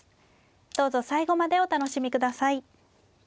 どうぞ最後までお楽しみ下さい。